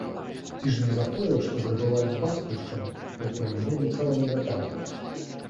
Ці ж не за тое, што здабываюць бацькаўшчыну, якой не мелі цэлымі вякамі?